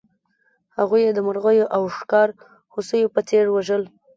هغوی یې د مرغیو او ښکار هوسیو په څېر وژل.